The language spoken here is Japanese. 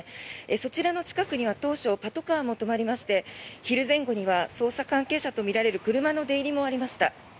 そちらの近くには当初パトカーも止まりまして昼前後には捜査関係者とみられる車の出入りもありました。